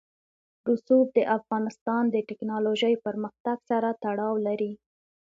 رسوب د افغانستان د تکنالوژۍ پرمختګ سره تړاو لري.